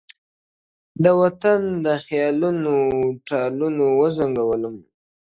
د وطن د خیالونو ټالونو وزنګولم -